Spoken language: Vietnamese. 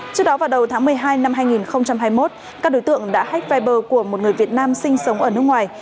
trước đó vào đầu tháng một mươi hai năm hai nghìn hai mươi một các đối tượng đã hách viber của một người việt nam sinh sống ở nước ngoài